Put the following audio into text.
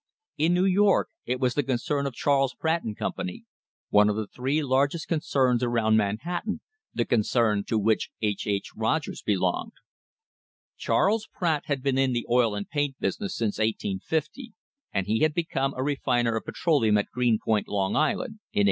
In New York it was the concern of Charles Pratt and Company, one of the three largest concerns around Manhattan the concern to which H. H. Rogers belonged. Charles Pratt had been in the oil and paint business since 1850, and he had become a refiner of petroleum at Greenpoint, Long Island, in 1867.